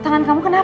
tangan kamu kenapa